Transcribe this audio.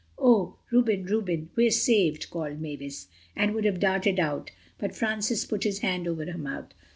"Oh—Reuben, Reuben! We're saved," called Mavis, and would have darted out, but Francis put his hand over her mouth.